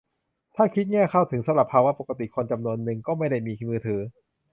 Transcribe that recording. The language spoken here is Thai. ถ้าคิดแง่ "เข้าถึง" สำหรับภาวะปกติ คนจำนวนนึงก็ไม่ได้มีมือถือ